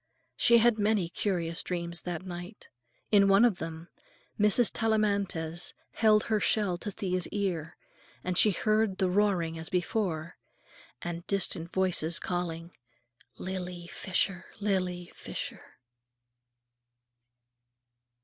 She had many curious dreams that night. In one of them Mrs. Tellamantez held her shell to Thea's ear, and she heard the roaring, as before, and distant voices calling, "Lily Fisher! Lily Fisher!"